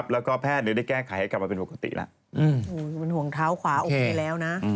แล้วก็แพทย์เดี๋ยวได้แก้ไขให้กลับมาเป็นปกติแล้ว